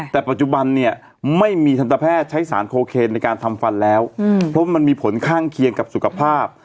แต่ปัจจุบันเนี่ยไม่มีทันตแพทย์ใช้สารโคเคนในการทำฟันแล้วเพราะมันมีผลข้างเคียงกับสุขภาพ